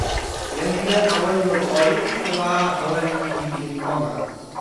jan li wile awen lon olin tawa awen pi pilin pona.